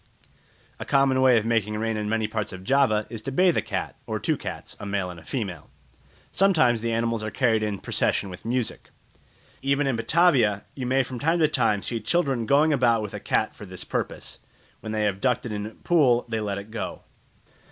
A common way of making rain in many parts of Java is to bathe a cat or two cats, a male and a female; sometimes the animals are carried in procession with music. Even in Batavia you may from time to time see children going about with a cat for this purpose; when they have ducked it in a pool, they let it go.